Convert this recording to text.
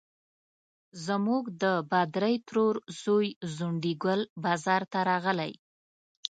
زموږ د بدرۍ ترور زوی ځونډي ګل بازار ته راغلی.